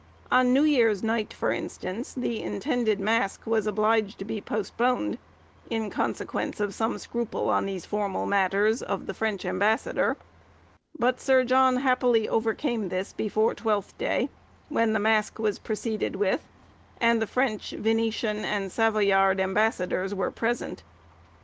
On New Year's Night, for instance, the intended mask was obliged to be postponed, in consequence of some scruple on these formal matters, of the French ambassador, but Sir John happily overcame this before Twelfth Day, when the mask was proceeded with, and the French, Venetian, and Savoyard ambassadors were present.